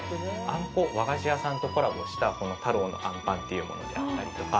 あんこ、和菓子屋さんとコラボしたたろうのあんぱんというものであったりとか。